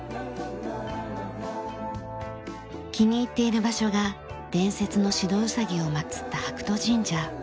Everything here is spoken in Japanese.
気に入っている場所が伝説の白兎を祭った白兎神社。